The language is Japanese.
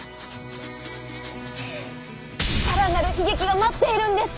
さらなる悲劇が待っているんです。